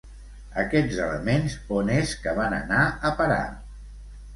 Aquests elements, on és que van anar a parar?